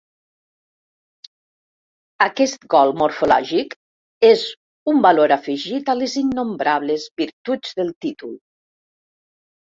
Aquest gol morfològic és un valor afegit a les innombrables virtuts del títol.